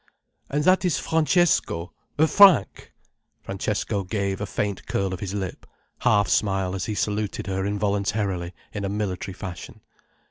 "And that is Francesco—Frank—" Francesco gave a faint curl of his lip, half smile, as he saluted her involuntarily in a military fashion.